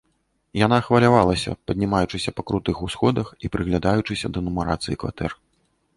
Яна хвалявалася, паднімаючыся па крутых усходах і прыглядаючыся да нумарацыі кватэр.